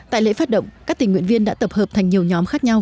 tại lễ phát động các tình nguyện viên đã tập hợp thành nhiều nhóm khác nhau